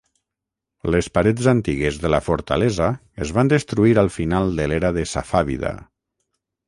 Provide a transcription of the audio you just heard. Les parets antigues de la fortalesa es van destruir al final de l'era de safàvida.